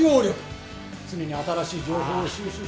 常に新しい情報を収集し。